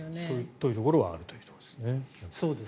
というところはあるということですね。